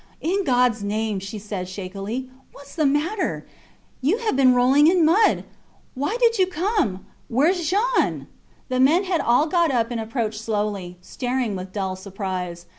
In Gods name, she said, shakily, whats the matter? You have been rolling in mud. ... Why did you come? ... Wheres Jean? The men had all got up and approached slowly, staring with dull surprise.